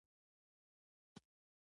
ځان تر ډیر فشار لاندې راوستل غلط دي.